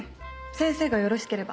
先生がよろしければ。